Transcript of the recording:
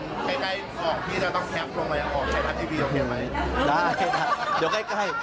เยอะเลยมีถวยเยอะเลยตอนนี้